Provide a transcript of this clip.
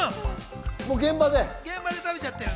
現場で食べちゃってる。